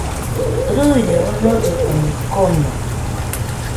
Rɨire onollɨ omɨ kono